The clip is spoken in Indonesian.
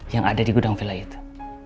yang ada di gudang villa itu